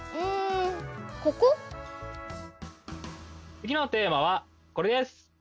つぎのテーマはこれです。